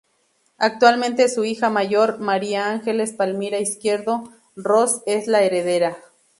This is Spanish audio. Actualmente su hija mayor María Ángeles Palmira Izquierdo Ros es la heredera.